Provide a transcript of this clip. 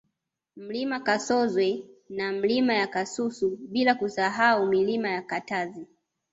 Mlima Kasoze na Milima ya Kasusu bila kusahau Milima ya Katazi